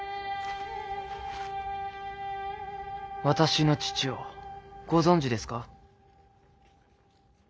私の父をご存じですか？